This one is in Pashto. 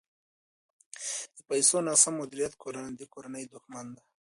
د پیسو ناسم مدیریت د کورنۍ دښمن دی.